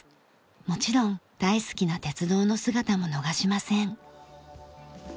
もちろん大好きな鉄道の姿も逃しません。